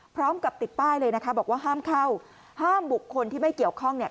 พร้อมกับติดป้ายเลยนะคะบอกว่าห้ามเข้าห้ามบุคคลที่ไม่เกี่ยวข้องเนี่ย